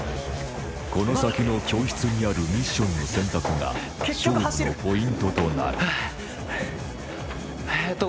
この先の教室にあるミッションの選択が勝負のポイントとなるえっと